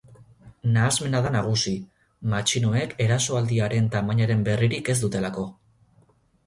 Nahasmena da nagusi, matxinoek erasoaldiaren tamainaren berririk ez dutelako.